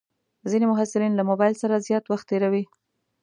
ځینې محصلین له موبایل سره زیات وخت تېروي.